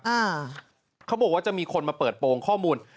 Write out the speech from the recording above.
อ่าเขาบอกว่าจะมีคนมาเปิดโปรงข้อมูล